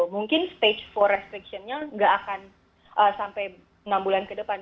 mungkin stage empat restriction nya nggak akan sampai enam bulan ke depan